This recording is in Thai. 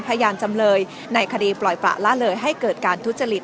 จำเลยในคดีปล่อยประละเลยให้เกิดการทุจริต